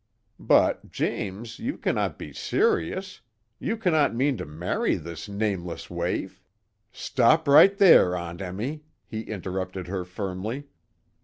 But, James, you cannot be serious! You cannot mean to marry this nameless waif?" "Stop right there, Aunt Emmy," he interrupted her firmly.